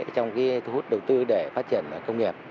trong thu hút đầu tư để phát triển công nghiệp